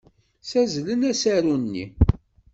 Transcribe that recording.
Ssazzlen asaru-nni.